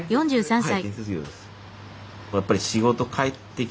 はい。